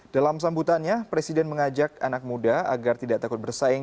dalam sambutannya presiden mengajak anak muda agar tidak takut bersaing